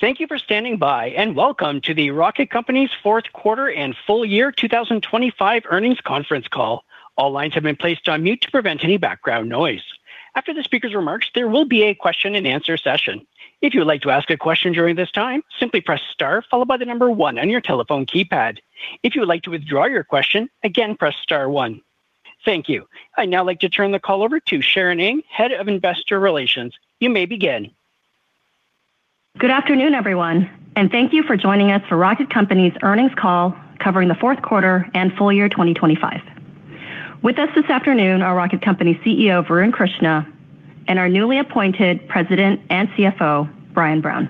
Thank you for standing by, and welcome to the Rocket Companies' fourth quarter and full year 2025 earnings conference call. All lines have been placed on mute to prevent any background noise. After the speaker's remarks, there will be a question-and-answer session. If you would like to ask a question during this time, simply press star followed by one on your telephone keypad. If you would like to withdraw your question, again, press star one. Thank you. I'd now like to turn the call over to Sharon Ng, Head of Investor Relations. You may begin. Good afternoon, everyone, and thank you for joining us for Rocket Companies' earnings call covering the fourth quarter and full year 2025. With us this afternoon are Rocket Companies CEO, Varun Krishna, and our newly appointed President and CFO, Brian Brown.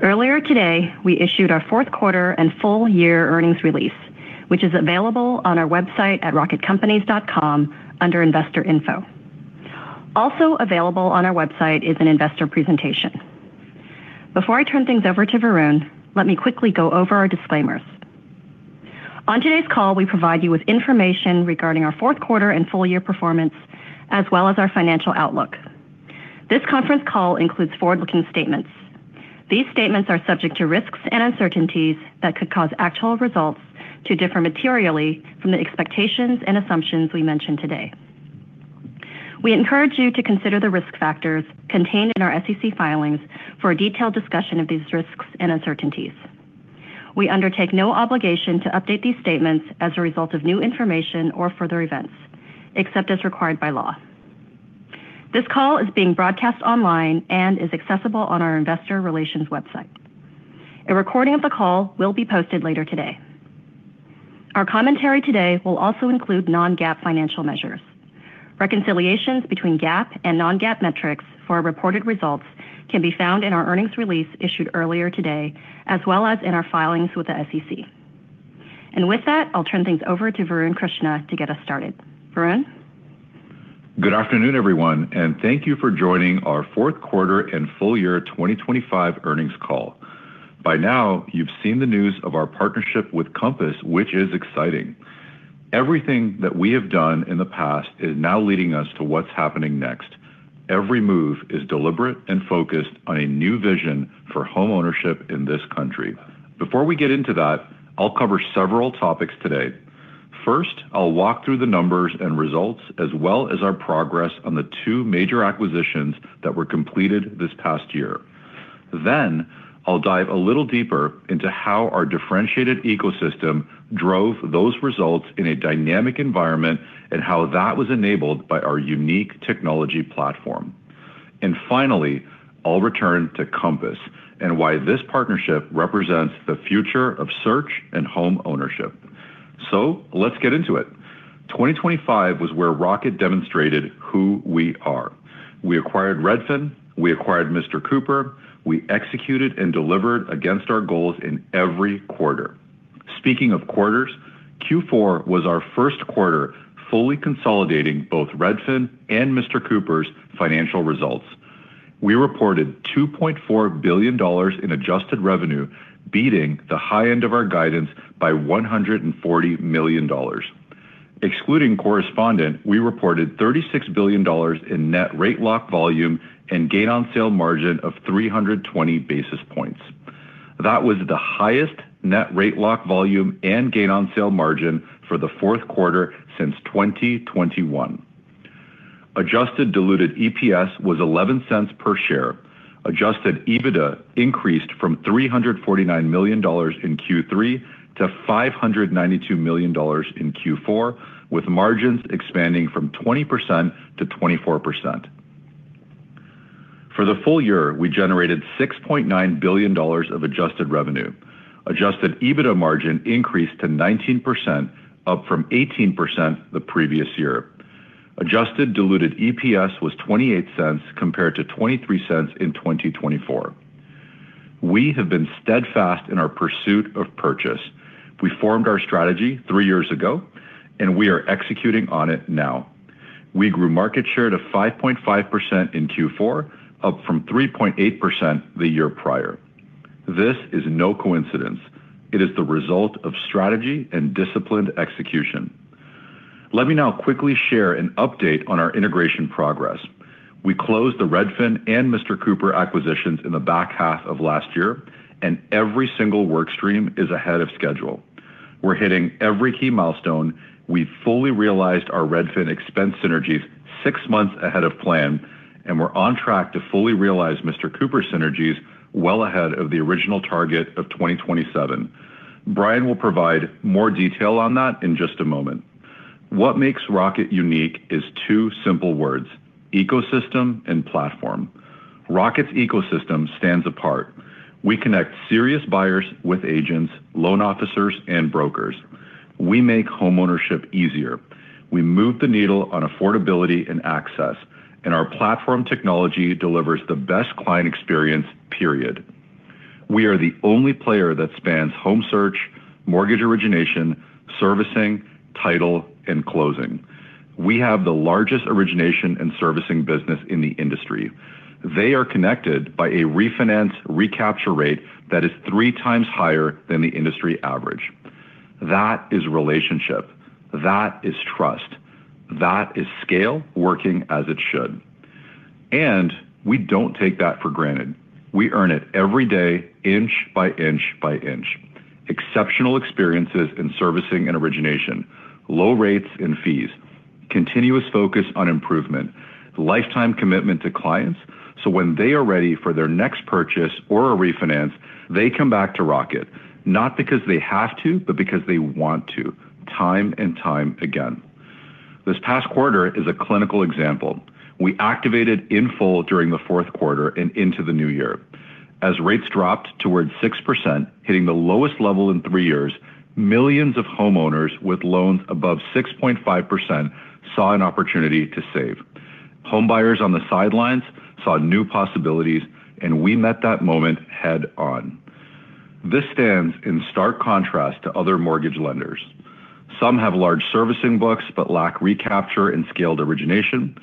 Earlier today, we issued our fourth quarter and full year earnings release, which is available on our website at rocketcompanies.com under Investor Info. Also available on our website is an investor presentation. Before I turn things over to Varun, let me quickly go over our disclaimers. On today's call, we provide you with information regarding our fourth quarter and full year performance as well as our financial outlook. This conference call includes forward-looking statements. These statements are subject to risks and uncertainties that could cause actual results to differ materially from the expectations and assumptions we mention today. We encourage you to consider the risk factors contained in our SEC filings for a detailed discussion of these risks and uncertainties. We undertake no obligation to update these statements as a result of new information or further events, except as required by law. This call is being broadcast online and is accessible on our investor relations website. A recording of the call will be posted later today. Our commentary today will also include non-GAAP financial measures. Reconciliations between GAAP and non-GAAP metrics for our reported results can be found in our earnings release issued earlier today, as well as in our filings with the SEC. With that, I'll turn things over to Varun Krishna to get us started. Varun. Good afternoon, everyone, thank you for joining our fourth quarter and full year 2025 earnings call. By now, you've seen the news of our partnership with Compass, which is exciting. Everything that we have done in the past is now leading us to what's happening next. Every move is deliberate and focused on a new vision for homeownership in this country. Before we get into that, I'll cover several topics today. First, I'll walk through the numbers and results as well as our progress on the two major acquisitions that were completed this past year. I'll dive a little deeper into how our differentiated ecosystem drove those results in a dynamic environment and how that was enabled by our unique technology platform. Finally, I'll return to Compass and why this partnership represents the future of search and homeownership. Let's get into it. 2025 was where Rocket demonstrated who we are. We acquired Redfin. We acquired Mr. Cooper. We executed and delivered against our goals in every quarter. Speaking of quarters, Q4 was our first quarter fully consolidating both Redfin and Mr. Cooper's financial results. We reported $2.4 billion in adjusted revenue, beating the high end of our guidance by $140 million. Excluding correspondent, we reported $36 billion in net rate lock volume and gain on sale margin of 320 basis points. That was the highest net rate lock volume and gain on sale margin for the fourth quarter since 2021. Adjusted diluted EPS was $0.11 per share. Adjusted EBITDA increased from $349 million in Q3 to $592 million in Q4, with margins expanding from 20% to 24%. For the full year, we generated $6.9 billion of adjusted revenue. Adjusted EBITDA margin increased to 19%, up from 18% the previous year. Adjusted diluted EPS was $0.28 compared to $0.23 in 2024. We have been steadfast in our pursuit of purchase. We formed our strategy three years ago, and we are executing on it now. We grew market share to 5.5% in Q4, up from 3.8% the year prior. This is no coincidence. It is the result of strategy and disciplined execution. Let me now quickly share an update on our integration progress. We closed the Redfin and Mr. Cooper acquisitions in the back half of last year, and every single work stream is ahead of schedule. We're hitting every key milestone. We fully realized our Redfin expense synergies six months ahead of plan. We're on track to fully realize Mr. Cooper synergies well ahead of the original target of 2027. Brian will provide more detail on that in just a moment. What makes Rocket unique is two simple words, ecosystem and platform. Rocket's ecosystem stands apart. We connect serious buyers with agents, loan officers and brokers. We make homeownership easier. Our platform technology delivers the best client experience, period. We are the only player that spans home search, mortgage origination, servicing, title, and closing. We have the largest origination and servicing business in the industry. They are connected by a refinance recapture rate that is three times higher than the industry average. That is relationship. That is trust. That is scale working as it should. We don't take that for granted. We earn it every day, inch by inch by inch. Exceptional experiences in servicing and origination, low rates and fees, continuous focus on improvement, lifetime commitment to clients, so when they are ready for their next purchase or a refinance, they come back to Rocket, not because they have to, but because they want to, time and time again. This past quarter is a clinical example. We activated in full during the fourth quarter and into the new year. As rates dropped towards 6%, hitting the lowest level in three years, millions of homeowners with loans above 6.5% saw an opportunity to save. Home buyers on the sidelines saw new possibilities, and we met that moment head-on. This stands in stark contrast to other mortgage lenders. Some have large servicing books but lack recapture and scaled origination,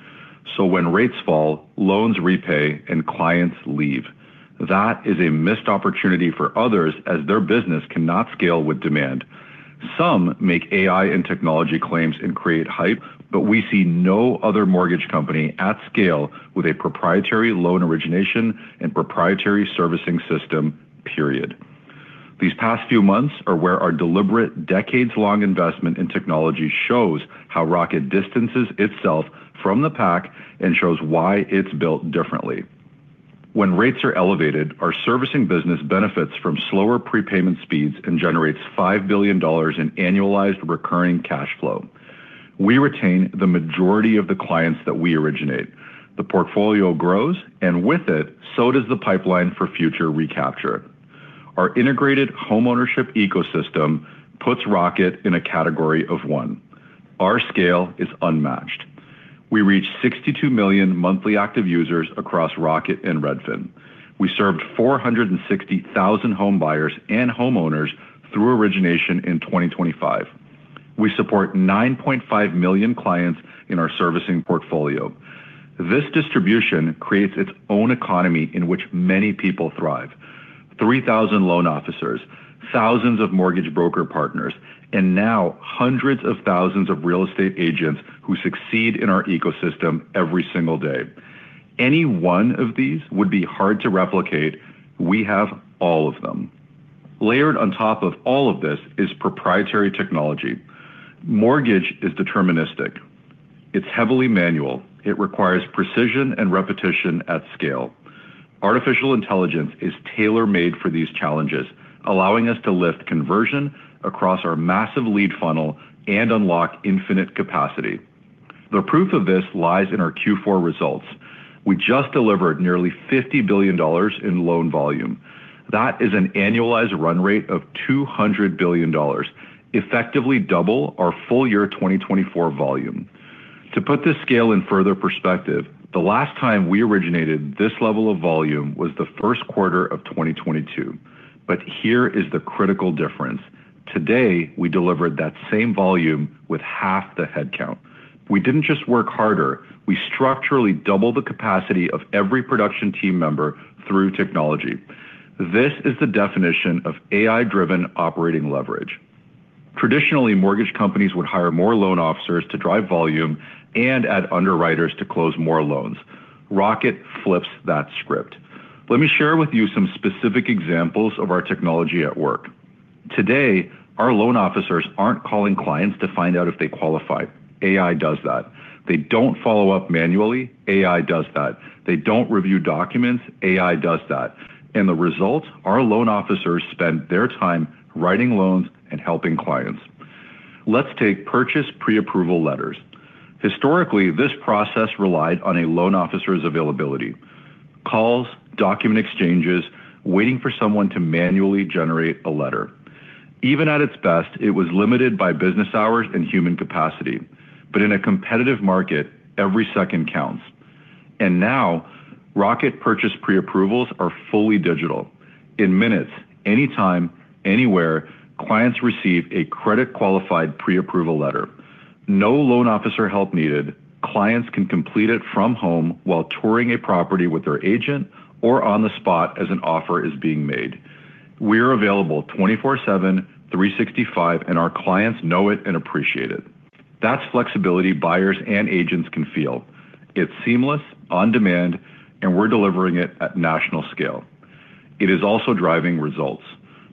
so when rates fall, loans repay and clients leave. That is a missed opportunity for others as their business cannot scale with demand. Some make AI and technology claims and create hype, but we see no other mortgage company at scale with a proprietary loan origination and proprietary servicing system, period. These past few months are where our deliberate decades-long investment in technology shows how Rocket distances itself from the pack and shows why it's built differently. When rates are elevated, our servicing business benefits from slower prepayment speeds and generates $5 billion in annualized recurring cash flow. We retain the majority of the clients that we originate. The portfolio grows, and with it, so does the pipeline for future recapture. Our integrated homeownership ecosystem puts Rocket in a category of one. Our scale is unmatched. We reach 62 million monthly active users across Rocket and Redfin. We served 460,000 home buyers and homeowners through origination in 2025. We support 9.5 million clients in our servicing portfolio. This distribution creates its own economy in which many people thrive. 3,000 loan officers, thousands of mortgage broker partners, and now hundreds of thousands of real estate agents who succeed in our ecosystem every single day. Any one of these would be hard to replicate. We have all of them. Layered on top of all of this is proprietary technology. Mortgage is deterministic. It's heavily manual. It requires precision and repetition at scale. Artificial intelligence is tailor-made for these challenges, allowing us to lift conversion across our massive lead funnel and unlock infinite capacity. The proof of this lies in our Q4 results. We just delivered nearly $50 billion in loan volume. That is an annualized run rate of $200 billion, effectively double our full year 2024 volume. To put this scale in further perspective, the last time we originated this level of volume was the first quarter of 2022. Here is the critical difference. Today, we delivered that same volume with half the headcount. We didn't just work harder. We structurally doubled the capacity of every production team member through technology. This is the definition of AI-driven operating leverage. Traditionally, mortgage companies would hire more loan officers to drive volume and add underwriters to close more loans. Rocket flips that script. Let me share with you some specific examples of our technology at work. Today, our loan officers aren't calling clients to find out if they qualify. AI does that. They don't follow up manually. AI does that. They don't review documents. AI does that. The result, our loan officers spend their time writing loans and helping clients. Let's take purchase pre-approval letters. Historically, this process relied on a loan officer's availability. Calls, document exchanges, waiting for someone to manually generate a letter. Even at its best, it was limited by business hours and human capacity. In a competitive market, every second counts. Now, Rocket purchase pre-approvals are fully digital. In minutes, anytime, anywhere, clients receive a credit-qualified pre-approval letter. No loan officer help needed. Clients can complete it from home while touring a property with their agent or on the spot as an offer is being made. We're available 24/7, 365, and our clients know it and appreciate it. That's flexibility buyers and agents can feel. It's seamless, on-demand, and we're delivering it at national scale. It is also driving results.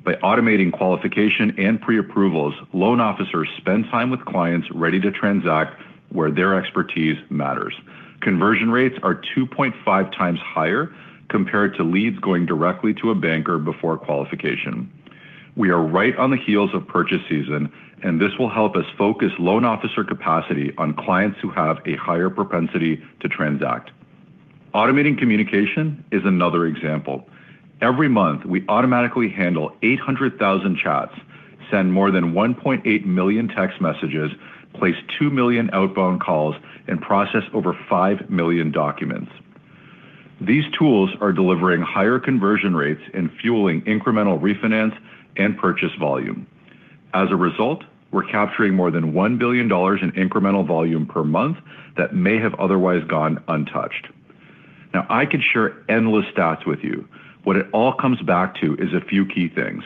By automating qualification and pre-approvals, loan officers spend time with clients ready to transact where their expertise matters. Conversion rates are 2.5 times higher compared to leads going directly to a banker before qualification. We are right on the heels of purchase season. This will help us focus loan officer capacity on clients who have a higher propensity to transact. Automating communication is another example. Every month, we automatically handle 800,000 chats, send more than 1.8 million text messages, place two million outbound calls, and process over five million documents. These tools are delivering higher conversion rates and fueling incremental refinance and purchase volume. As a result, we're capturing more than $1 billion in incremental volume per month that may have otherwise gone untouched. I could share endless stats with you. What it all comes back to is a few key things: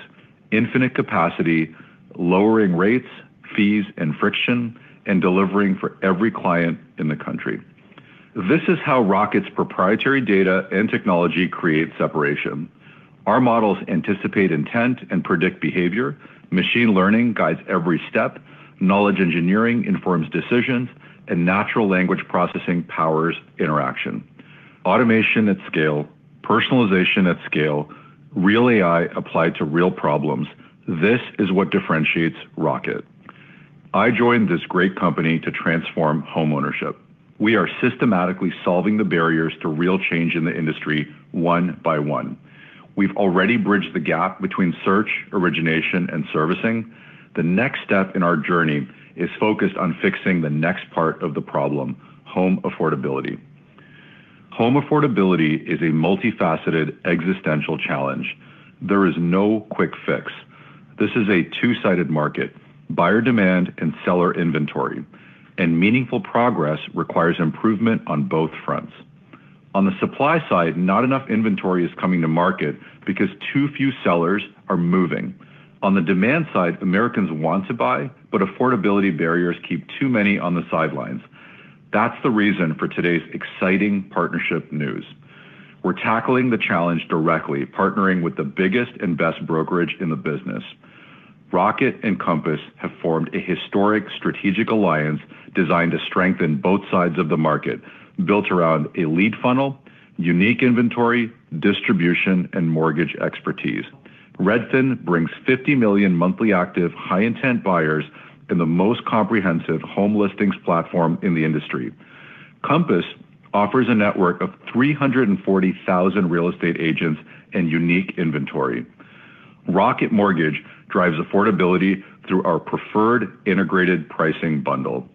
infinite capacity, lowering rates, fees, and friction, and delivering for every client in the country. This is how Rocket's proprietary data and technology create separation. Our models anticipate intent and predict behavior, machine learning guides every step, knowledge engineering informs decisions, and natural language processing powers interaction. Automation at scale, personalization at scale, real AI applied to real problems, this is what differentiates Rocket. I joined this great company to transform homeownership. We are systematically solving the barriers to real change in the industry, one by one. We've already bridged the gap between search, origination, and servicing. The next step in our journey is focused on fixing the next part of the problem: home affordability. Home affordability is a multifaceted, existential challenge. There is no quick fix. This is a two-sided market, buyer demand and seller inventory, and meaningful progress requires improvement on both fronts. On the supply side, not enough inventory is coming to market because too few sellers are moving. On the demand side, Americans want to buy, but affordability barriers keep too many on the sidelines. That's the reason for today's exciting partnership news. We're tackling the challenge directly, partnering with the biggest and best brokerage in the business. Rocket and Compass have formed a historic strategic alliance designed to strengthen both sides of the market, built around a lead funnel, unique inventory, distribution, and mortgage expertise. Redfin brings 50 million monthly active, high-intent buyers in the most comprehensive home listings platform in the industry. Compass offers a network of 340,000 real estate agents and unique inventory. Rocket Mortgage drives affordability through our preferred integrated pricing bundle.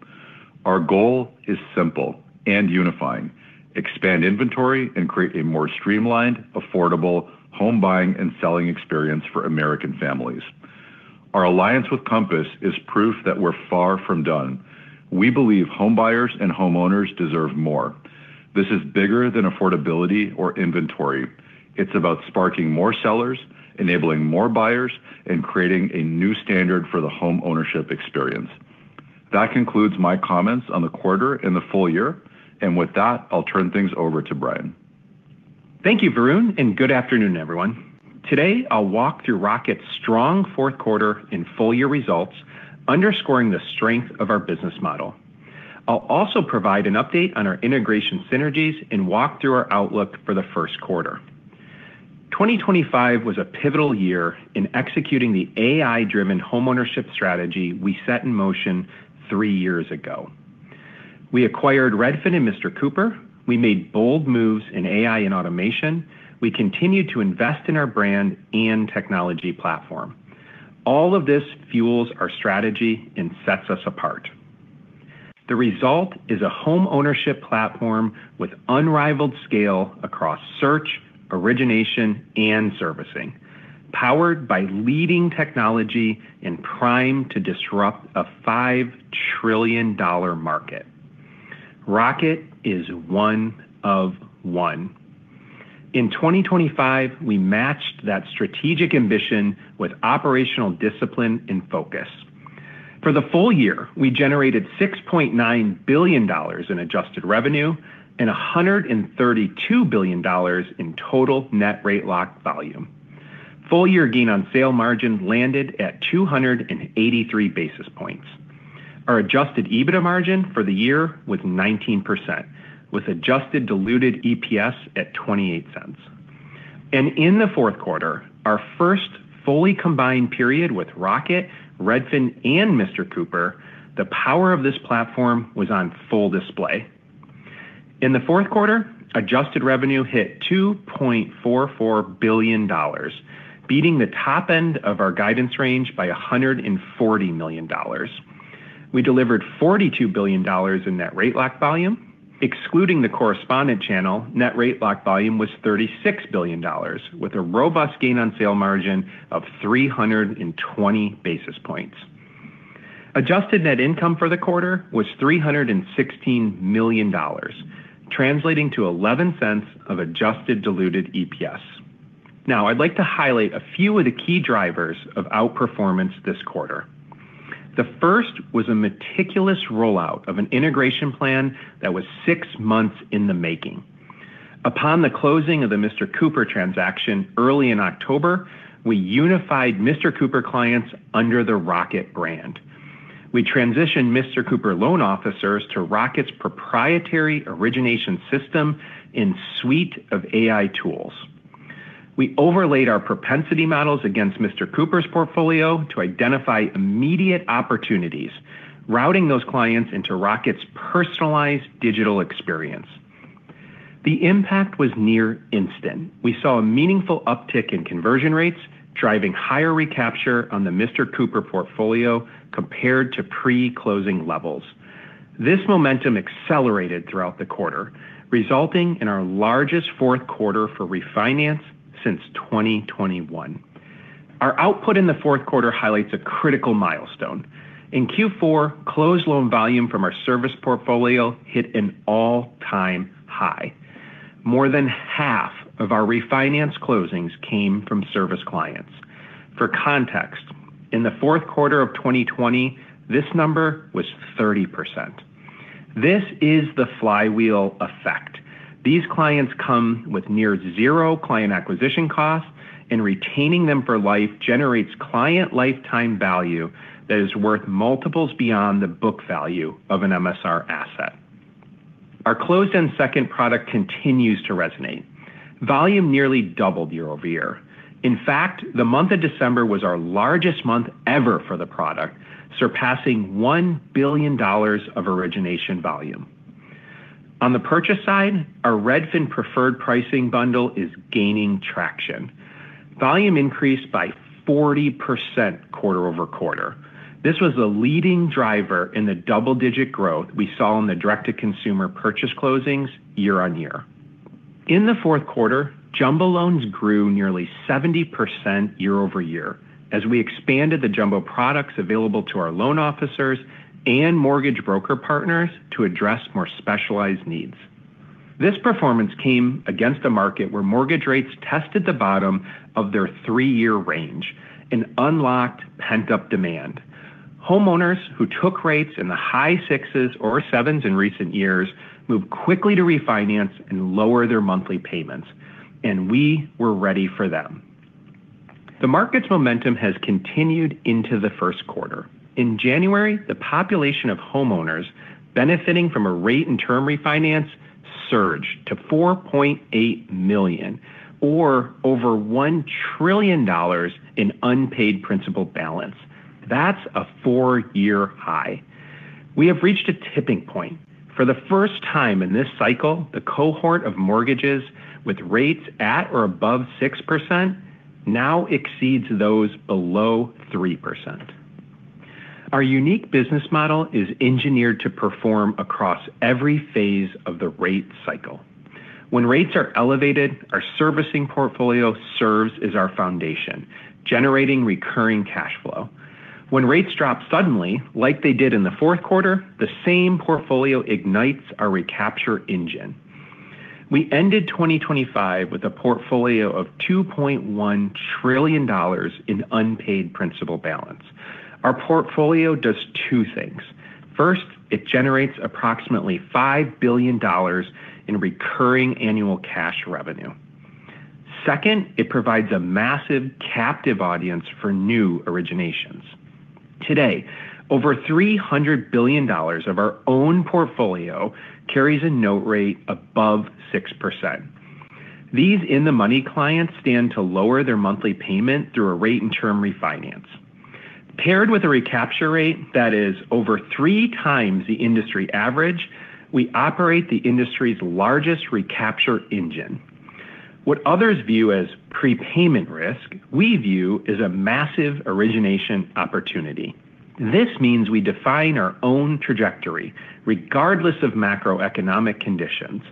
Our goal is simple and unifying: expand inventory and create a more streamlined, affordable home buying and selling experience for American families. Our alliance with Compass is proof that we're far from done. We believe homebuyers and homeowners deserve more. This is bigger than affordability or inventory. It's about sparking more sellers, enabling more buyers, and creating a new standard for the homeownership experience. That concludes my comments on the quarter and the full year. With that, I'll turn things over to Brian. Thank you, Varun. Good afternoon, everyone. Today, I'll walk through Rocket's strong fourth quarter and full year results, underscoring the strength of our business model. I'll also provide an update on our integration synergies and walk through our outlook for the first quarter. 2025 was a pivotal year in executing the AI-driven homeownership strategy we set in motion three years ago. We acquired Redfin and Mr. Cooper. We made bold moves in AI and automation. We continued to invest in our brand and technology platform. All of this fuels our strategy and sets us apart. The result is a homeownership platform with unrivaled scale across search, origination, and servicing, powered by leading technology and primed to disrupt a $5 trillion market. Rocket is one of one. In 2025, we matched that strategic ambition with operational discipline and focus. For the full year, we generated $6.9 billion in adjusted revenue and $132 billion in total net rate lock volume. Full year gain on sale margin landed at 283 basis points. Our adjusted EBITDA margin for the year was 19%, with adjusted diluted EPS at $0.28. In the fourth quarter, our first fully combined period with Rocket, Redfin, and Mr. Cooper, the power of this platform was on full display. In the fourth quarter, adjusted revenue hit $2.44 billion, beating the top end of our guidance range by $140 million. We delivered $42 billion in net rate lock volume. Excluding the correspondent channel, net rate lock volume was $36 billion, with a robust gain on sale margin of 320 basis points. Adjusted net income for the quarter was $316 million, translating to $0.11 of adjusted diluted EPS. I'd like to highlight a few of the key drivers of outperformance this quarter. The first was a meticulous rollout of an integration plan that was six months in the making. Upon the closing of the Mr. Cooper transaction early in October, we unified Mr. Cooper clients under the Rocket brand. We transitioned Mr. Cooper loan officers to Rocket's proprietary origination system and suite of AI tools. We overlaid our propensity models against Mr. Cooper's portfolio to identify immediate opportunities, routing those clients into Rocket's personalized digital experience. The impact was near instant. We saw a meaningful uptick in conversion rates, driving higher recapture on the Mr. Cooper portfolio compared to pre-closing levels. This momentum accelerated throughout the quarter, resulting in our largest fourth quarter for refinance since 2021. Our output in the fourth quarter highlights a critical milestone in Q4 closed loan volume from our service portfolio hit an all-time high. More than half of our refinance closings came from service clients. For context, in the fourth quarter of 2020, this number was 30%. This is the flywheel effect. These clients come with near zero client acquisition costs. Retaining them for life generates client lifetime value that is worth multiples beyond the book value of an MSR asset. Our closed-end second product continues to resonate. Volume nearly doubled year-over-year. In fact, the month of December was our largest month ever for the product, surpassing $1 billion of origination volume. On the purchase side, our Redfin preferred pricing bundle is gaining traction. Volume increased by 40% quarter-over-quarter. This was the leading driver in the double-digit growth we saw in the direct-to-consumer purchase closings year-on-year. In the 4th quarter, jumbo loans grew nearly 70% year-over-year as we expanded the jumbo products available to our loan officers and mortgage broker partners to address more specialized needs. This performance came against a market where mortgage rates tested the bottom of their 3-year range and unlocked pent-up demand. Homeowners who took rates in the high sixes or sevens in recent years moved quickly to refinance and lower their monthly payments, and we were ready for them. The market's momentum has continued into the 1st quarter. In January, the population of homeowners benefiting from a rate-and-term refinance surged to 4.8 million, or over $1 trillion in unpaid principal balance. That's a 4-year high. We have reached a tipping point. For the first time in this cycle, the cohort of mortgages with rates at or above 6% now exceeds those below 3%. Our unique business model is engineered to perform across every phase of the rate cycle. When rates are elevated, our servicing portfolio serves as our foundation, generating recurring cash flow. When rates drop suddenly, like they did in the fourth quarter, the same portfolio ignites our recapture engine. We ended 2025 with a portfolio of $2.1 trillion in unpaid principal balance. Our portfolio does two things. First, it generates approximately $5 billion in recurring annual cash revenue. Second, it provides a massive captive audience for new originations. Today, over $300 billion of our own portfolio carries a note rate above 6%. These in-the-money clients stand to lower their monthly payment through a rate-and-term refinance. Paired with a recapture rate that is over three times the industry average, we operate the industry's largest recapture engine. What others view as prepayment risk, we view as a massive origination opportunity. This means we define our own trajectory regardless of macroeconomic conditions.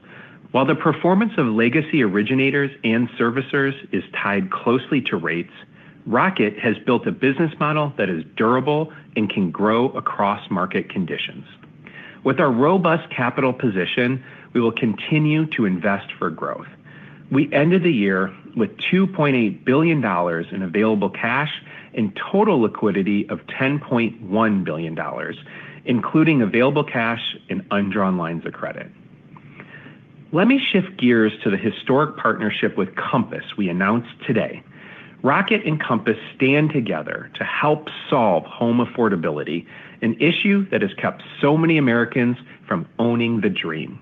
While the performance of legacy originators and servicers is tied closely to rates, Rocket has built a business model that is durable and can grow across market conditions. With our robust capital position, we will continue to invest for growth. We ended the year with $2.8 billion in available cash and total liquidity of $10.1 billion, including available cash and undrawn lines of credit. Let me shift gears to the historic partnership with Compass we announced today. Rocket and Compass stand together to help solve home affordability, an issue that has kept so many Americans from owning the dream.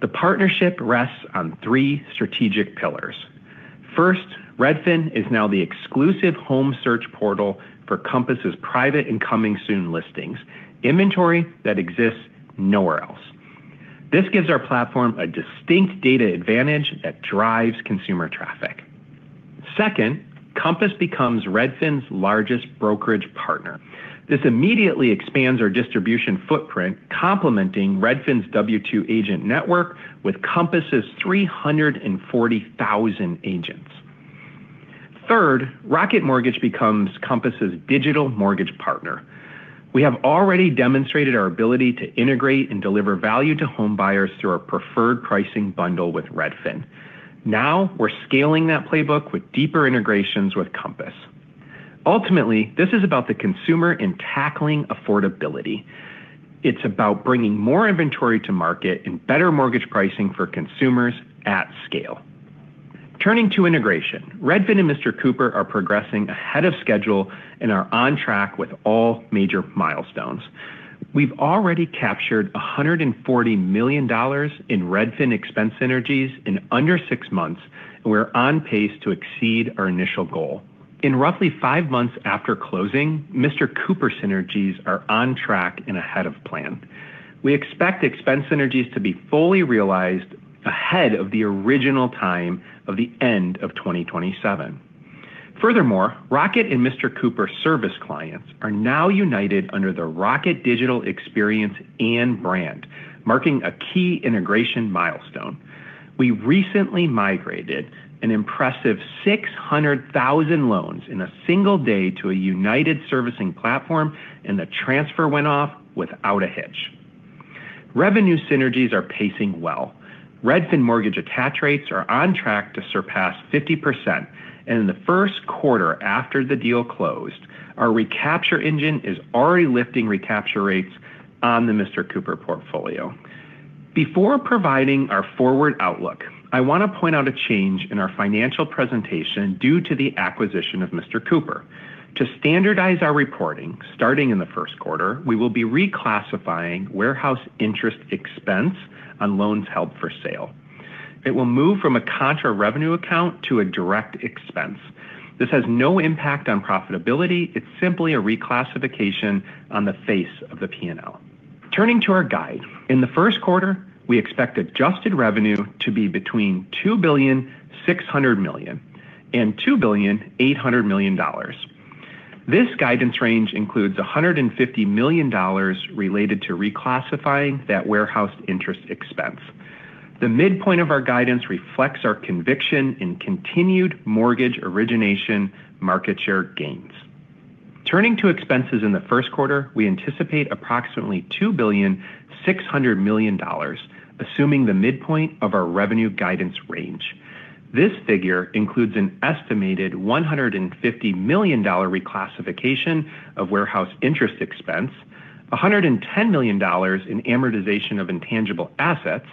The partnership rests on three strategic pillars. First, Redfin is now the exclusive home search portal for Compass's Private Exclusives and Coming Soon listings, inventory that exists nowhere else. This gives our platform a distinct data advantage that drives consumer traffic. Second, Compass becomes Redfin's largest brokerage partner. This immediately expands our distribution footprint, complementing Redfin's W-2 agent network with Compass's 340,000 agents. Third, Rocket Mortgage becomes Compass's digital mortgage partner. We have already demonstrated our ability to integrate and deliver value to home buyers through our preferred pricing bundle with Redfin. Now we're scaling that playbook with deeper integrations with Compass. Ultimately, this is about the consumer and tackling affordability. It's about bringing more inventory to market and better mortgage pricing for consumers at scale. Turning to integration, Redfin and Mr. Cooper are progressing ahead of schedule and are on track with all major milestones. We've already captured $140 million in Redfin expense synergies in under six months, we're on pace to exceed our initial goal. In roughly five months after closing, Mr. Cooper synergies are on track and ahead of plan. We expect expense synergies to be fully realized ahead of the original time of the end of 2027. Rocket and Mr. Cooper service clients are now united under the Rocket digital experience and brand, marking a key integration milestone. We recently migrated an impressive 600,000 loans in a single day to a united servicing platform, the transfer went off without a hitch. Revenue synergies are pacing well. Redfin mortgage attach rates are on track to surpass 50%. In the first quarter after the deal closed, our recapture engine is already lifting recapture rates on the Mr. Cooper portfolio. Before providing our forward outlook, I want to point out a change in our financial presentation due to the acquisition of Mr. Cooper. To standardize our reporting, starting in the first quarter, we will be reclassifying warehouse interest expense on loans held for sale. It will move from a contra revenue account to a direct expense. This has no impact on profitability. It's simply a reclassification on the face of the P&L. Turning to our guide, in the first quarter, we expect adjusted revenue to be between $2.6 billion and $2.8 billion. This guidance range includes $150 million related to reclassifying that warehouse interest expense. The midpoint of our guidance reflects our conviction in continued mortgage origination market share gains. Turning to expenses in the first quarter, we anticipate approximately $2.6 billion, assuming the midpoint of our revenue guidance range. This figure includes an estimated $150 million reclassification of warehouse interest expense, $110 million in amortization of intangible assets,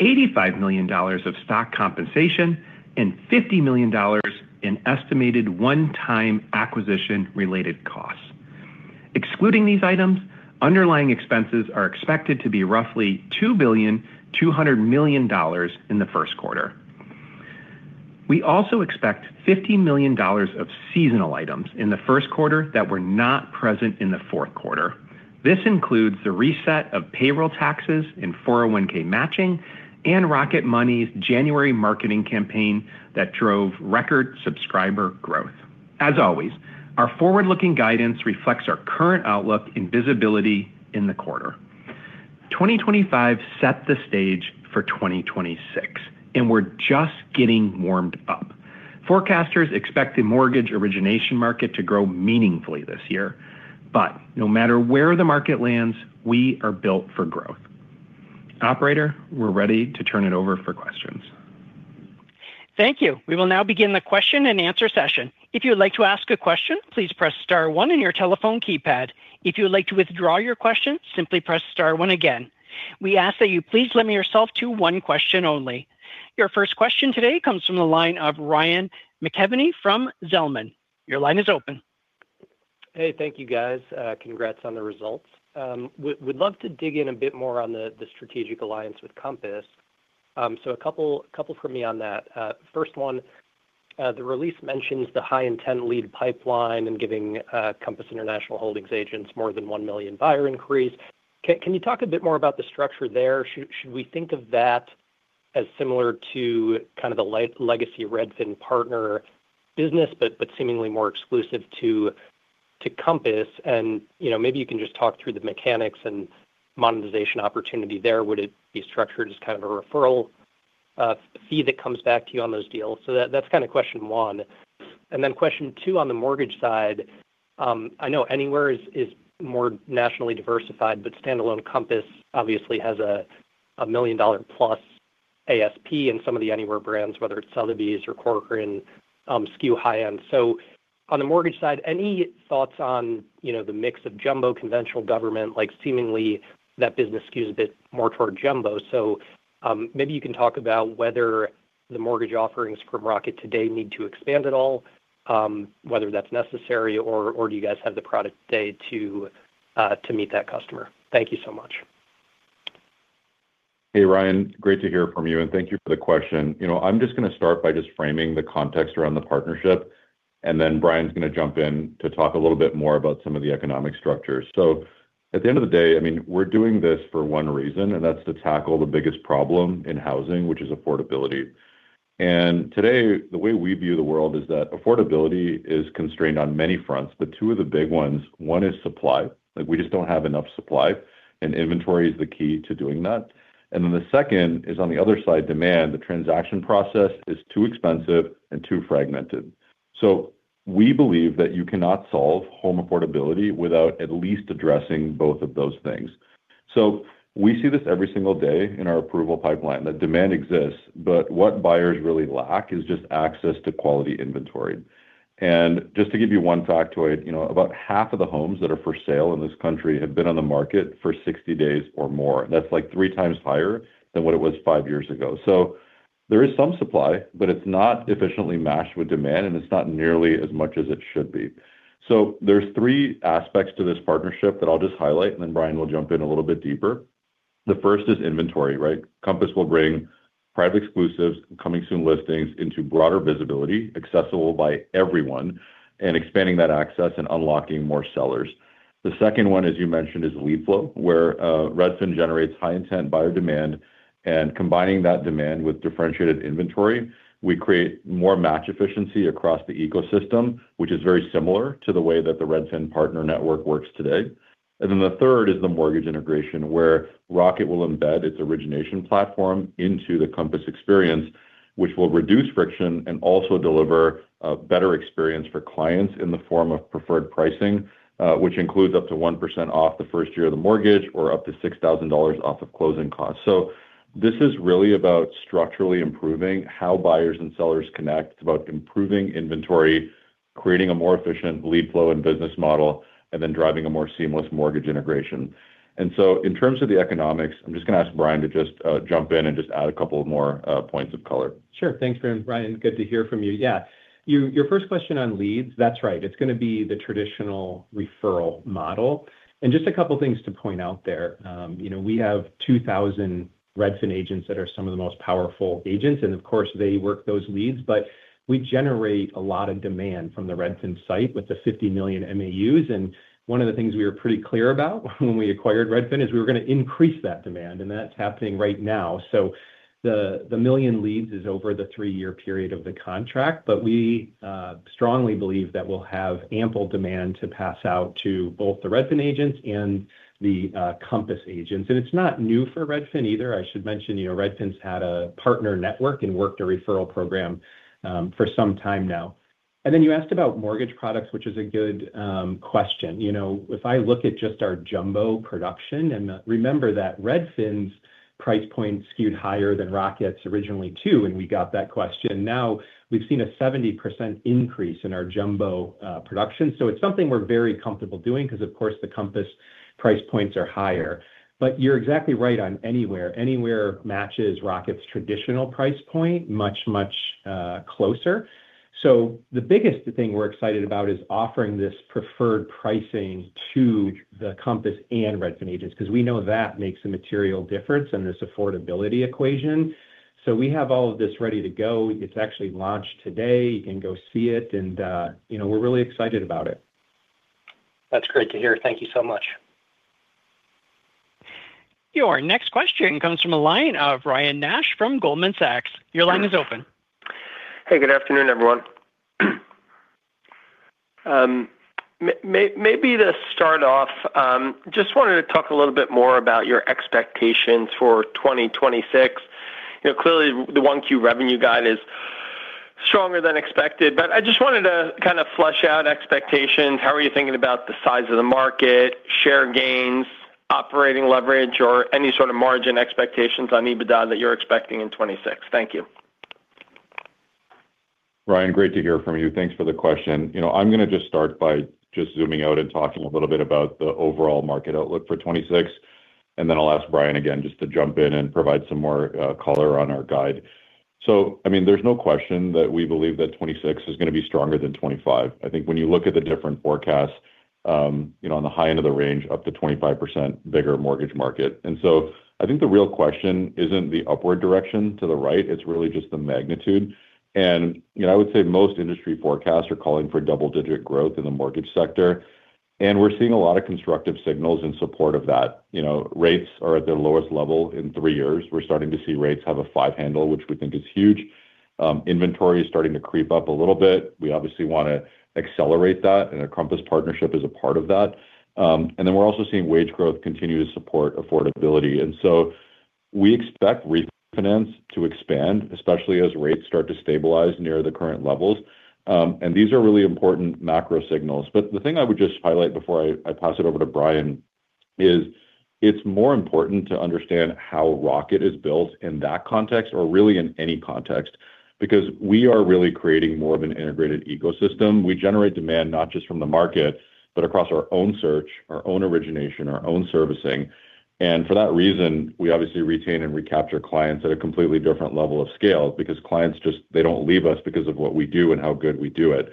$85 million of stock compensation, and $50 million in estimated one-time acquisition-related costs. Excluding these items, underlying expenses are expected to be roughly $2.2 billion in the first quarter. We also expect $50 million of seasonal items in the first quarter that were not present in the fourth quarter. This includes the reset of payroll taxes and 401(k) matching and Rocket Money's January marketing campaign that drove record subscriber growth. As always, our forward-looking guidance reflects our current outlook and visibility in the quarter. 2025 set the stage for 2026, and we're just getting warmed up. Forecasters expect the mortgage origination market to grow meaningfully this year, but no matter where the market lands, we are built for growth. Operator, we're ready to turn it over for questions. Thank you. We will now begin the question-and-answer session. If you would like to ask a question, please press star one on your telephone keypad. If you would like to withdraw your question, simply press star one again. We ask that you please limit yourself to one question only. Your first question today comes from the line of Ryan McKeveny from Zelman. Your line is open. Hey, thank you, guys. Congrats on the results. Would love to dig in a bit more on the strategic alliance with Compass. A couple for me on that. First one, the release mentions the high-intent lead pipeline and giving Compass International Holdings agents more than one million buyer inquiries. Can you talk a bit more about the structure there? Should we think of that as similar to kind of the legacy Redfin partner business, but seemingly more exclusive to Compass? You know, maybe you can just talk through the mechanics and monetization opportunity there. Would it be structured as kind of a referral fee that comes back to you on those deals? That's kinda question one. Question two, on the mortgage side, I know Anywhere is more nationally diversified, but standalone Compass obviously has a $1 million-plus ASP in some of the Anywhere brands, whether it's Sotheby's or Corcoran, skew high end. On the mortgage side, any thoughts on, you know, the mix of jumbo, conventional government? Like, seemingly, that business skews a bit more toward jumbo. Maybe you can talk about whether the mortgage offerings from Rocket today need to expand at all, whether that's necessary or do you guys have the product today to meet that customer? Thank you so much. Hey, Ryan, great to hear from you. Thank you for the question. You know, I'm just going to start by just framing the context around the partnership, then Brian's going to jump in to talk a little bit more about some of the economic structures. At the end of the day, I mean, we're doing this for one reason, that's to tackle the biggest problem in housing, which is affordability. Today, the way we view the world is that affordability is constrained on many fronts, but two of the big ones, one is supply. Like, we just don't have enough supply, inventory is the key to doing that. Then the second is on the other side, demand. The transaction process is too expensive and too fragmented. We believe that you cannot solve home affordability without at least addressing both of those things. We see this every single day in our approval pipeline, that demand exists, but what buyers really lack is just access to quality inventory. Just to give you one factoid, you know, about half of the homes that are for sale in this country have been on the market for 60 days or more. That's like three times higher than what it was five years ago. There is some supply, but it's not efficiently matched with demand, and it's not nearly as much as it should be. There's three aspects to this partnership that I'll just highlight, and then Brian will jump in a little bit deeper. The first is inventory, right? Compass will bring Private Exclusives, Coming Soon listings into broader visibility, accessible by everyone, and expanding that access and unlocking more sellers. The second one, as you mentioned, is lead flow, where Redfin generates high intent buyer demand, and combining that demand with differentiated inventory, we create more match efficiency across the ecosystem, which is very similar to the way that the Redfin Partner Network works today. The third is the mortgage integration, where Rocket will embed its origination platform into the Compass experience, which will reduce friction and also deliver a better experience for clients in the form of preferred pricing, which includes up to 1% off the first year of the mortgage or up to $6,000 off of closing costs. This is really about structurally improving how buyers and sellers connect. It's about improving inventory, creating a more efficient lead flow and business model, and then driving a more seamless mortgage integration. In terms of the economics, I'm just going to ask Brian to just jump in and just add a couple of more points of color. Sure. Thanks, Ryan. Good to hear from you. Yeah, your first question on leads, that's right. It's going to be the traditional referral model. Just a couple of things to point out there. you know, we have 2,000 Redfin agents that are some of the most powerful agents, and of course, they work those leads. We generate a lot of demand from the Redfin site with the 50 million MAUs, and one of the things we were pretty clear about when we acquired Redfin is we were going to increase that demand, and that's happening right now. The, the one million leads is over the three year period of the contract, but we strongly believe that we'll have ample demand to pass out to both the Redfin agents and the Compass agents. It's not new for Redfin either. I should mention, you know, Redfin's had a partner network and worked a referral program for some time now. Then you asked about mortgage products, which is a good question. You know, if I look at just our jumbo production, and remember that Redfin's price point skewed higher than Rocket's originally, too, and we got that question. Now, we've seen a 70% increase in our jumbo production, so it's something we're very comfortable doing because, of course, the Compass price points are higher. You're exactly right on Anywhere. Anywhere matches Rocket's traditional price point much, much closer. The biggest thing we're excited about is offering this preferred pricing to the Compass and Redfin agents, because we know that makes a material difference in this affordability equation. We have all of this ready to go. It's actually launched today. You can go see it, you know, we're really excited about it. That's great to hear. Thank you so much. Your next question comes from a line of Ryan Nash from Goldman Sachs. Your line is open. Hey, good afternoon, everyone. Maybe to start off, just wanted to talk a little bit more about your expectations for 2026. You know, clearly, the 1Q revenue guide is stronger than expected, but I just wanted to kind of flush out expectations. How are you thinking about the size of the market, share gains, operating leverage, or any sort of margin expectations on EBITDA that you're expecting in 2026? Thank you. Ryan, great to hear from you. Thanks for the question. You know, I'm going to just start by just zooming out and talking a little bit about the overall market outlook for 2026, and then I'll ask Brian again just to jump in and provide some more color on our guide. I mean, there's no question that we believe that 2026 is going to be stronger than 2025. I think when you look at the different forecasts, you know, on the high end of the range, up to 25% bigger mortgage market. I think the real question isn't the upward direction to the right, it's really just the magnitude. You know, I would say most industry forecasts are calling for double-digit growth in the mortgage sector, and we're seeing a lot of constructive signals in support of that. You know, rates are at their lowest level in three years. We're starting to see rates have a five handle, which we think is huge. Inventory is starting to creep up a little bit. We obviously want to accelerate that, our Compass partnership is a part of that. We're also seeing wage growth continue to support affordability. We expect refinance to expand, especially as rates start to stabilize near the current levels. These are really important macro signals. The thing I would just highlight before I pass it over to Brian is it's more important to understand how Rocket is built in that context or really in any context, because we are really creating more of an integrated ecosystem. We generate demand not just from the market, but across our own search, our own origination, our own servicing, and for that reason, we obviously retain and recapture clients at a completely different level of scale because clients just they don't leave us because of what we do and how good we do it.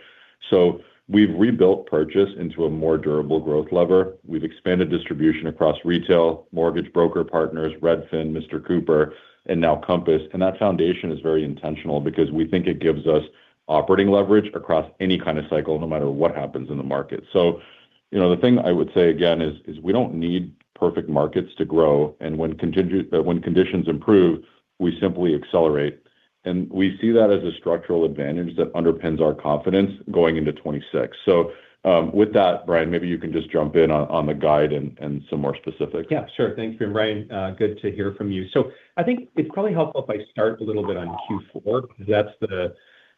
We've rebuilt purchase into a more durable growth lever. We've expanded distribution across retail, mortgage broker partners, Redfin, Mr. Cooper, and now Compass. That foundation is very intentional because we think it gives us operating leverage across any kind of cycle, no matter what happens in the market. you know, the thing I would say again is we don't need perfect markets to grow, and when conditions improve, we simply accelerate, and we see that as a structural advantage that underpins our confidence going into 2026. With that, Brian, maybe you can just jump in on the guide and some more specifics. Yeah, sure. Thanks, Brian. Good to hear from you. I think it'd probably help if I start a little bit on Q4.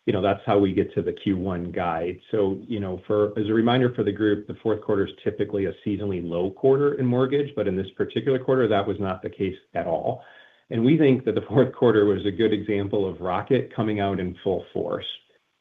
you know, that's how we get to the Q1 guide. you know, as a reminder for the group, the fourth quarter is typically a seasonally low quarter in mortgage, but in this particular quarter, that was not the case at all. We think that the fourth quarter was a good example of Rocket coming out in full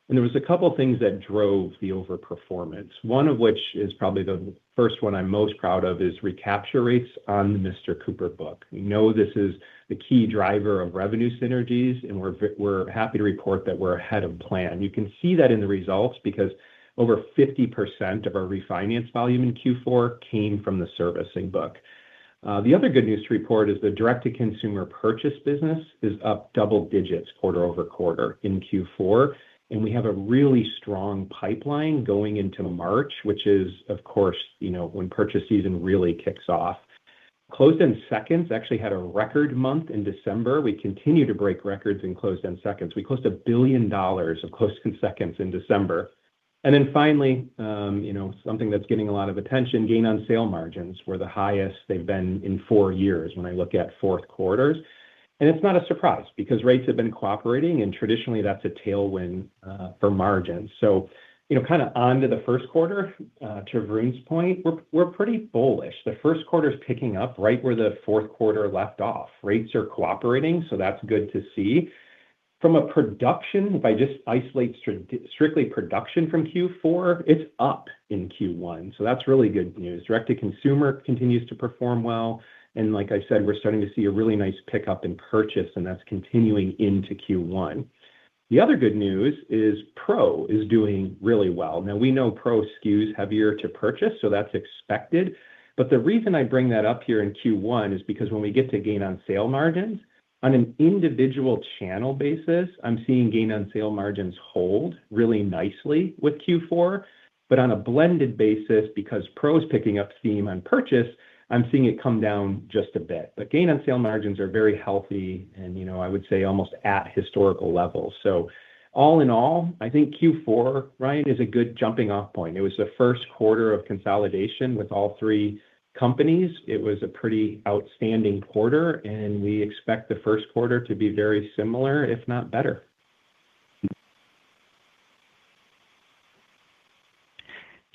force. There was a couple of things that drove the overperformance, one of which is probably the first one I'm most proud of is recapture rates on the Mr. Cooper book. We know this is the key driver of revenue synergies, and we're happy to report that we're ahead of plan. You can see that in the results because over 50% of our refinance volume in Q4 came from the servicing book. The other good news to report is the direct-to-consumer purchase business is up double digits quarter-over-quarter in Q4, and we have a really strong pipeline going into March, which is, of course, you know, when purchase season really kicks off. Closed-end second actually had a record month in December. We continue to break records in closed-end second. We closed $1 billion of closed-end second in December. Finally, you know, something that's getting a lot of attention, gain on sale margins were the highest they've been in four years when I look at fourth quarters. It's not a surprise because rates have been cooperating, and traditionally that's a tailwind for margins. You know, kinda onto the first quarter, to Varun's point, we're pretty bullish. The first quarter's picking up right where the fourth quarter left off. Rates are cooperating, so that's good to see. From a production, if I just isolate strictly production from Q4, it's up in Q1, so that's really good news. direct-to-consumer continues to perform well, and like I said, we're starting to see a really nice pickup in purchase, and that's continuing into Q1. The other good news is Pro is doing really well. We know Pro skews heavier to purchase, so that's expected. The reason I bring that up here in Q1 is because when we get to gain on sale margins, on an individual channel basis, I'm seeing gain on sale margins hold really nicely with Q4. On a blended basis, because Rocket Pro's picking up steam on purchase, I'm seeing it come down just a bit. Gain on sale margins are very healthy and, you know, I would say almost at historical levels. All in all, I think Q4, right, is a good jumping-off point. It was the first quarter of consolidation with all three companies. It was a pretty outstanding quarter, and we expect the first quarter to be very similar, if not better.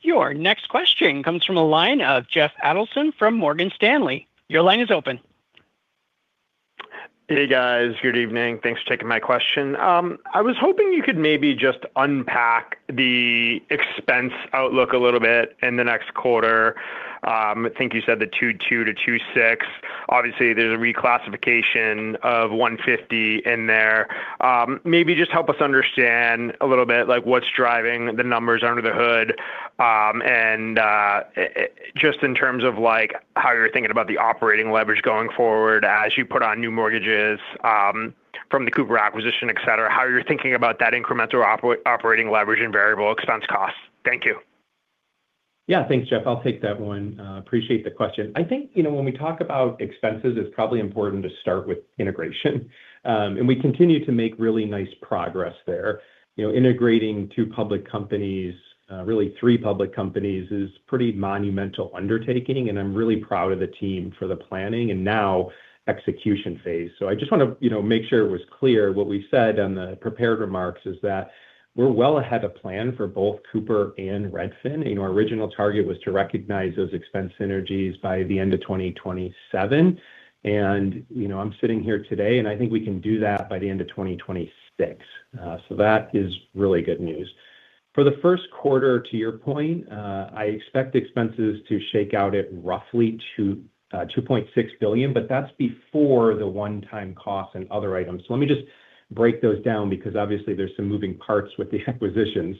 Your next question comes from a line of Jeff Adelson from Morgan Stanley. Your line is open. Hey, guys. Good evening. Thanks for taking my question. I was hoping you could maybe just unpack the expense outlook a little bit in the next quarter. I think you said the $2.2-$2.6. Obviously, there's a reclassification of $150 in there. Maybe just help us understand a little bit like what's driving the numbers under the hood, and just in terms of like how you're thinking about the operating leverage going forward as you put on new mortgages, from the Mr. Cooper acquisition, et cetera. How you're thinking about that incremental operating leverage and variable expense costs. Thank you. Yeah. Thanks, Jeff. I'll take that one. Appreciate the question. I think, you know, when we talk about expenses, it's probably important to start with integration. We continue to make really nice progress there. You know, integrating two public companies, really three public companies, is pretty monumental undertaking, and I'm really proud of the team for the planning and now execution phase. I just wanna, you know, make sure it was clear what we said on the prepared remarks is that we're well ahead of plan for both Cooper and Redfin, and our original target was to recognize those expense synergies by the end of 2027. You know, I'm sitting here today, and I think we can do that by the end of 2026. That is really good news. For the first quarter, to your point, I expect expenses to shake out at roughly $2.6 billion, but that's before the one-time cost and other items. Let me just break those down because obviously there's some moving parts with the acquisition.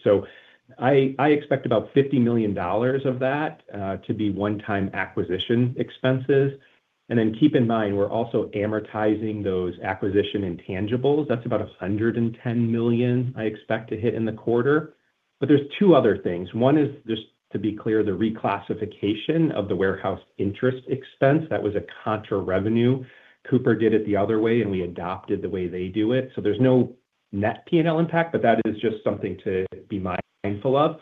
I expect about $50 million of that to be one-time acquisition expenses. Keep in mind, we're also amortizing those acquisition intangibles. That's about $110 million I expect to hit in the quarter. There's two other things. One is just to be clear, the reclassification of the warehouse interest expense. That was a contra revenue. Cooper did it the other way. We adopted the way they do it. There's no net P&L impact, but that is just something to be mindful of.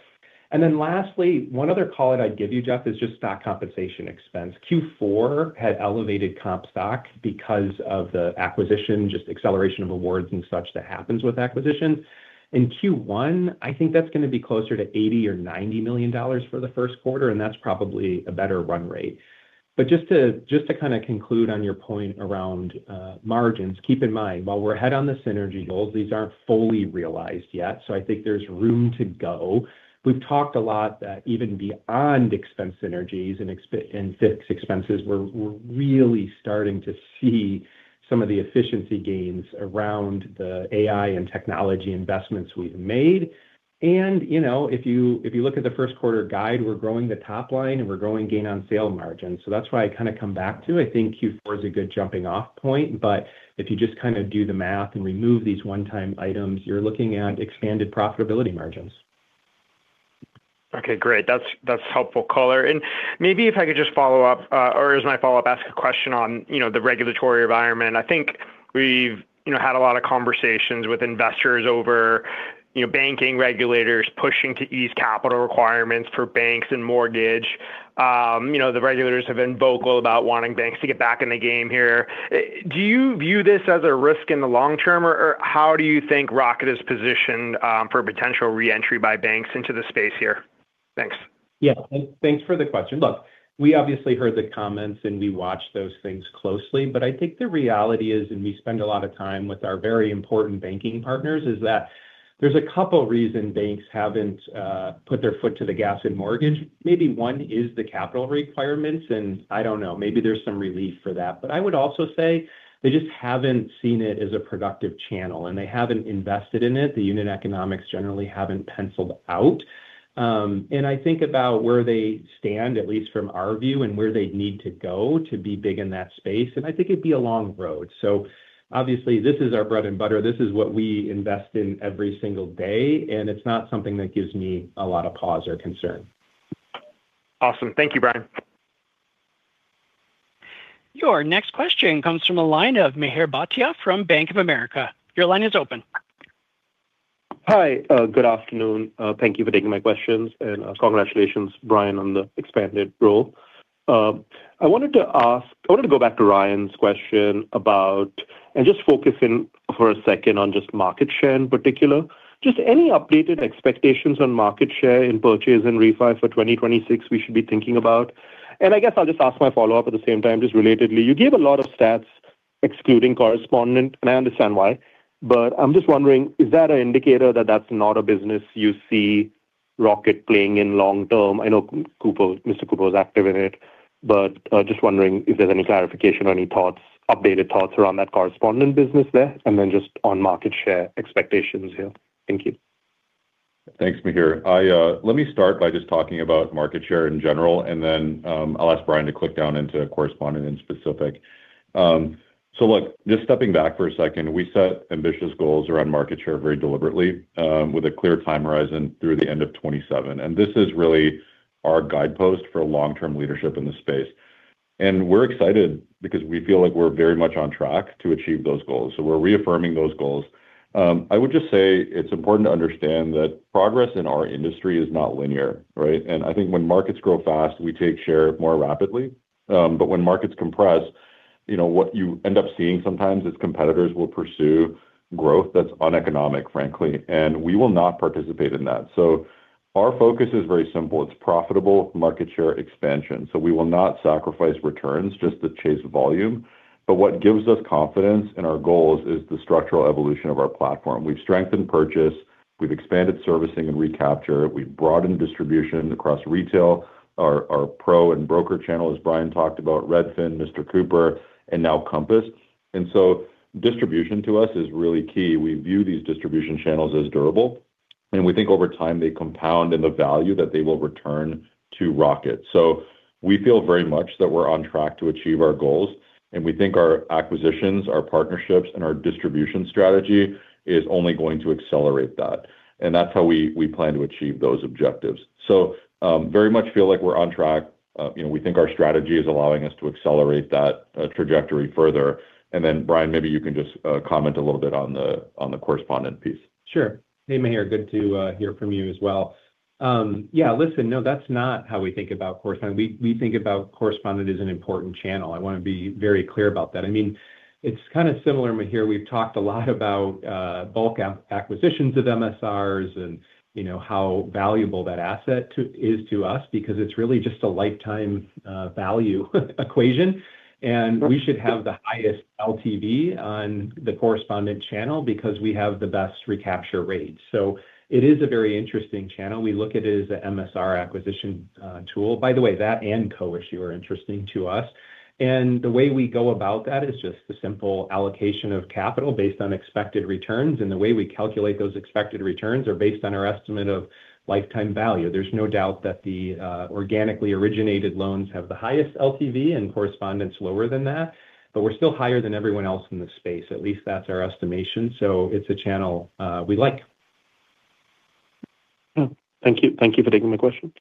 lastly, one other call out I'd give you, Jeff, is just stock compensation expense. Q4 had elevated comp stock because of the acquisition, just acceleration of awards and such that happens with acquisitions. In Q1, I think that's gonna be closer to $80 million-$90 million for the first quarter, and that's probably a better run rate. Just to kinda conclude on your point around margins, keep in mind, while we're ahead on the synergy goals, these aren't fully realized yet. I think there's room to go. We've talked a lot that even beyond expense synergies and fixed expenses, we're really starting to see some of the efficiency gains around the AI and technology investments we've made. You know, if you, if you look at the first quarter guide, we're growing the top line, and we're growing gain on sale margins. That's why I kinda come back to, I think Q4 is a good jumping-off point. If you just kinda do the math and remove these one-time items, you're looking at expanded profitability margins. Okay, great. That's helpful color. Maybe if I could just follow up, or as my follow-up, ask a question on, you know, the regulatory environment. I think we've, you know, had a lot of conversations with investors over, you know, banking regulators pushing to ease capital requirements for banks and mortgage. You know, the regulators have been vocal about wanting banks to get back in the game here. Do you view this as a risk in the long-term, or how do you think Rocket is positioned for potential re-entry by banks into the space here? Thanks. Yeah. Thanks, thanks for the question. Look, we obviously heard the comments, and we watch those things closely. I think the reality is, and we spend a lot of time with our very important banking partners, is that there's a couple reasons banks haven't put their foot to the gas in mortgage. Maybe one is the capital requirements, and I don't know, maybe there's some relief for that. I would also say they just haven't seen it as a productive channel, and they haven't invested in it. The unit economics generally haven't penciled out. I think about where they stand, at least from our view, and where they need to go to be big in that space, and I think it'd be a long road. Obviously this is our bread and butter. This is what we invest in every single day, and it's not something that gives me a lot of pause or concern. Awesome. Thank you, Brian. Your next question comes from a line of Mihir Bhatia from Bank of America. Your line is open. Hi. Good afternoon. Thank you for taking my questions, and congratulations, Brian, on the expanded role. I wanted to go back to Ryan's question about, and just focus in for a second on just market share in particular. Just any updated expectations on market share in purchase and refi for 2026 we should be thinking about? I guess I'll just ask my follow-up at the same time, just relatedly. You gave a lot of stats excluding correspondent, and I understand why, but I'm just wondering, is that an indicator that that's not a business you see Rocket playing in long-term? I know Mr. Cooper is active in it, but just wondering if there's any clarification or any thoughts, updated thoughts around that correspondent business there. Then just on market share expectations here. Thank you. Thanks, Mihir. Let me start by just talking about market share in general. I'll ask Brian to click down into correspondent in specific. Look, just stepping back for a second, we set ambitious goals around market share very deliberately with a clear time horizon through the end of 27. This is really our guidepost for long-term leadership in this space. We're excited because we feel like we're very much on track to achieve those goals. We're reaffirming those goals. I would just say it's important to understand that progress in our industry is not linear, right? I think when markets grow fast, we take share more rapidly. When markets compress, you know, what you end up seeing sometimes is competitors will pursue growth that's uneconomic, frankly, and we will not participate in that. Our focus is very simple. It's profitable market share expansion. We will not sacrifice returns just to chase volume. What gives us confidence in our goals is the structural evolution of our platform. We've strengthened purchase, we've expanded servicing and recapture, we've broadened distribution across retail. Our Pro and broker channel, as Brian talked about, Redfin, Mr. Cooper, and now Compass. Distribution to us is really key. We view these distribution channels as durable, and we think over time they compound in the value that they will return to Rocket. We feel very much that we're on track to achieve our goals, and we think our acquisitions, our partnerships, and our distribution strategy is only going to accelerate that. That's how we plan to achieve those objectives. Very much feel like we're on track. you know, we think our strategy is allowing us to accelerate that trajectory further. Brian, maybe you can just comment a little bit on the correspondent piece. Sure. Hey, Mihir, good to hear from you as well. Yeah, listen, no, that's not how we think about correspondent. We think about correspondent as an important channel. I wanna be very clear about that. I mean, it's kind of similar, Mihir. We've talked a lot about bulk acquisitions of MSRs and, you know, how valuable that asset is to us because it's really just a lifetime value equation. We should have the highest LTV on the correspondent channel because we have the best recapture rates. It is a very interesting channel. We look at it as a MSR acquisition tool. By the way, that and co-issue are interesting to us. The way we go about that is just the simple allocation of capital based on expected returns. The way we calculate those expected returns are based on our estimate of lifetime value. There's no doubt that the organically originated loans have the highest LTV and correspondent's lower than that, but we're still higher than everyone else in the space. At least that's our estimation. It's a channel we like. Thank you. Thank you for taking my question.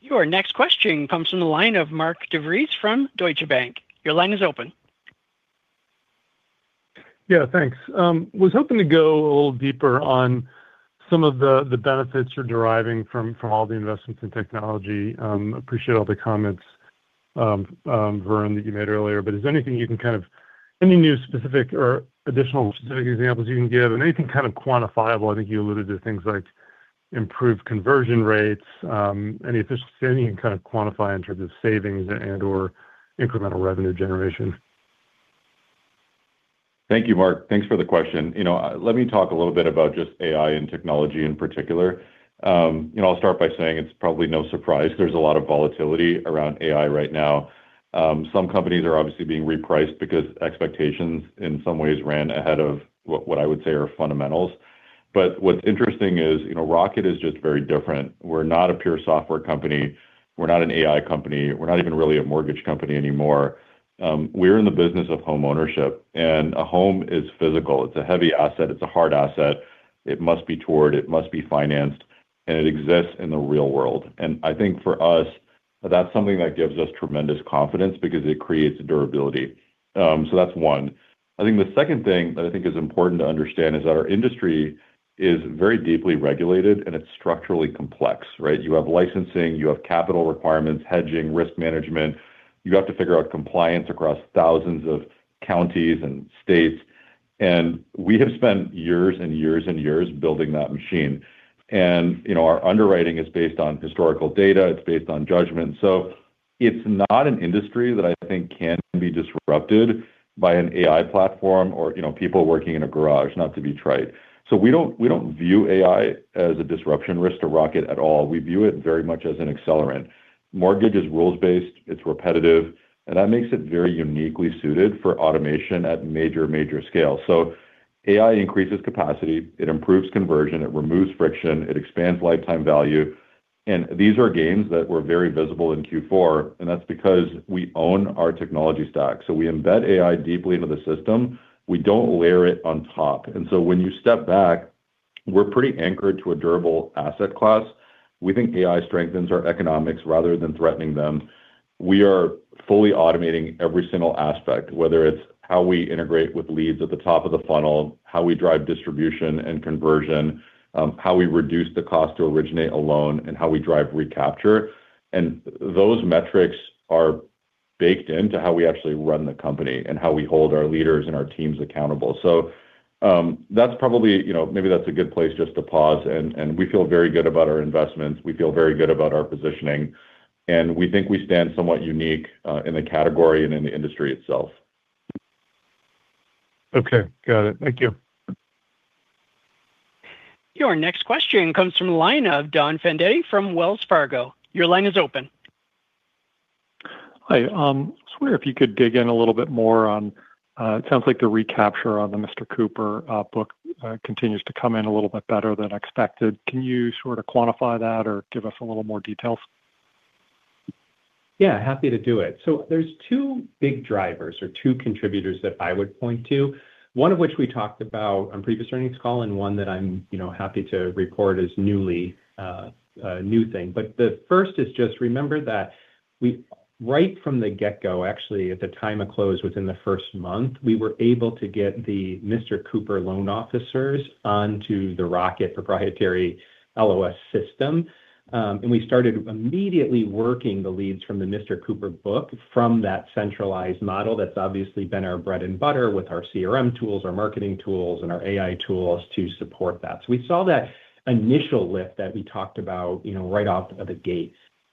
Your next question comes from the line of Mark DeVries from Deutsche Bank. Your line is open. Yeah, thanks. Was hoping to go a little deeper on some of the benefits you're deriving from all the investments in technology. Appreciate all the comments, Varun, that you made earlier, but is there anything you can any new specific or additional specific examples you can give? Anything kind of quantifiable. I think you alluded to things like improved conversion rates, any efficiency you can kind of quantify in terms of savings and/or incremental revenue generation. Thank you, Mark. Thanks for the question. You know, let me talk a little bit about just AI and technology in particular. You know, I'll start by saying it's probably no surprise there's a lot of volatility around AI right now. Some companies are obviously being repriced because expectations in some ways ran ahead of what I would say are fundamentals. What's interesting is, you know, Rocket is just very different. We're not a pure software company. We're not an AI company. We're not even really a mortgage company anymore. We're in the business of homeownership, a home is physical. It's a heavy asset. It's a hard asset. It must be toured, it must be financed, and it exists in the real world. I think for us, that's something that gives us tremendous confidence because it creates durability. That's one. I think the second thing that I think is important to understand is that our industry is very deeply regulated and it's structurally complex, right? You have licensing, you have capital requirements, hedging, risk management. You have to figure out compliance across thousands of counties and states. We have spent years and years and years building that machine. You know, our underwriting is based on historical data. It's based on judgment. It's not an industry that I think can be disrupted by an AI platform or, you know, people working in a garage, not to be trite. We don't view AI as a disruption risk to Rocket at all. We view it very much as an accelerant. Mortgage is rules-based, it's repetitive, and that makes it very uniquely suited for automation at major scale. AI increases capacity, it improves conversion, it removes friction, it expands lifetime value. These are gains that were very visible in Q4, and that's because we own our technology stack. We embed AI deeply into the system. We don't layer it on top. When you step back, we're pretty anchored to a durable asset class. We think AI strengthens our economics rather than threatening them. We are fully automating every single aspect, whether it's how we integrate with leads at the top of the funnel, how we drive distribution and conversion, how we reduce the cost to originate a loan, and how we drive recapture. Those metrics are baked into how we actually run the company and how we hold our leaders and our teams accountable. That's probably, you know, maybe that's a good place just to pause and we feel very good about our investments. We feel very good about our positioning, and we think we stand somewhat unique in the category and in the industry itself. Okay. Got it. Thank you. Your next question comes from the line of Don Fandetti from Wells Fargo. Your line is open. Hi. I was wondering if you could dig in a little bit more on, it sounds like the recapture on the Mr. Cooper book continues to come in a little bit better than expected. Can you sort of quantify that or give us a little more details? Yeah, happy to do it. There's two big drivers or two contributors that I would point to, one of which we talked about on previous earnings call and one that I'm, you know, happy to report as newly a new thing. The first is just remember that right from the get-go, actually, at the time of close within the first month, we were able to get the Mr. Cooper loan officers onto the Rocket proprietary LOS system. We started immediately working the leads from the Mr. Cooper book from that centralized model that's obviously been our bread and butter with our CRM tools, our marketing tools, and our AI tools to support that. We saw that initial lift that we talked about, you know, right off of the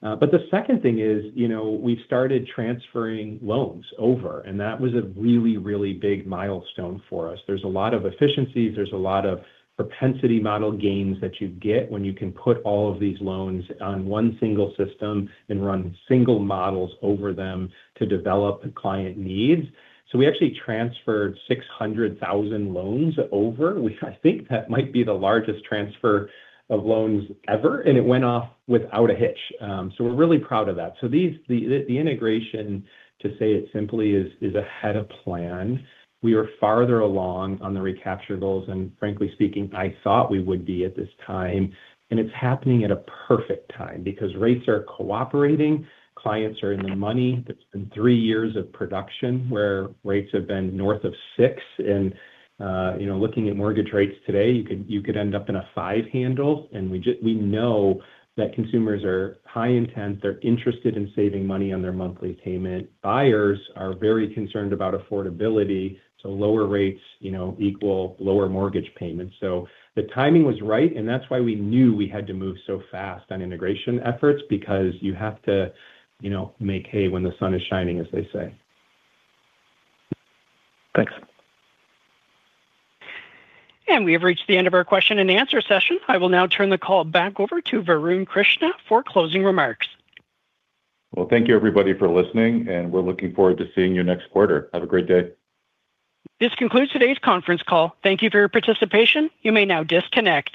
gate. The second thing is, you know, we've started transferring loans over, and that was a really, really big milestone for us. There's a lot of efficiencies. There's a lot of propensity model gains that you get when you can put all of these loans on one single system and run single models over them to develop client needs. We actually transferred 600,000 loans over. I think that might be the largest transfer of loans ever, and it went off without a hitch. We're really proud of that. The integration, to say it simply, is ahead of plan. We are farther along on the recapture goals, and frankly speaking, I thought we would be at this time. It's happening at a perfect time because rates are cooperating. Clients are in the money. That's been three years of production where rates have been north of 6. You know, looking at mortgage rates today, you could end up in a five handle. We know that consumers are high intent. They're interested in saving money on their monthly payment. Buyers are very concerned about affordability, lower rates, you know, equal lower mortgage payments. The timing was right, and that's why we knew we had to move so fast on integration efforts because you have to, you know, make hay when the sun is shining, as they say. Thanks. We have reached the end of our question and answer session. I will now turn the call back over to Varun Krishna for closing remarks. Well, thank you, everybody, for listening, and we're looking forward to seeing you next quarter. Have a great day. This concludes today's conference call. Thank you for your participation. You may now disconnect.